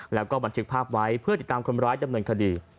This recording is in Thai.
แล้วก็บันทึกภาพไว้เพื่อติดตามคนร้ายดำเนินคดี